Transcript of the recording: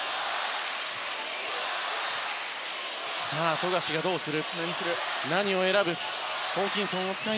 富樫、どうする？